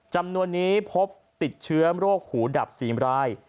จำนวนนี้พบติดเชื้อโรคหูดับ๔ราย